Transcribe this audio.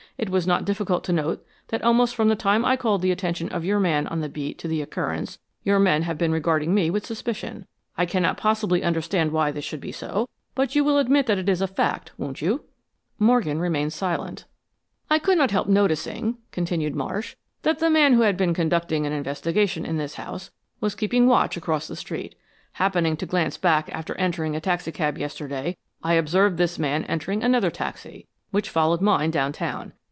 "It was not difficult to note that almost from the time I called the attention of your man on the beat to the occurrence, your men have been regarding me with suspicion. I cannot possibly understand why this should be so, but you will admit that it is a fact, won't you?" Morgan remained silent. "I could not help noticing," continued Marsh, "that the man who had been conducting an investigation in this house was keeping watch across the street. Happening to glance back after entering a taxicab yesterday, I observed this man entering another taxi, which followed mine downtown.